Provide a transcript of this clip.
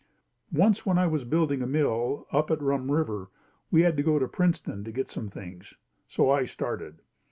Once when I was building a mill up at Rum River we had to go to Princeton to get some things, so I started.